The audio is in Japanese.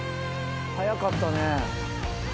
早かったね。